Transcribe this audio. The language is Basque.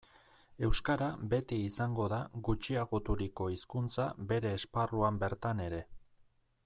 Euskara beti izango da gutxiagoturiko hizkuntza bere esparruan bertan ere.